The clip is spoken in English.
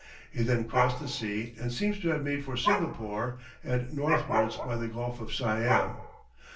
he then crossed the sea, and seems to have made for Singapore, and northwards by the Gulf of Siam.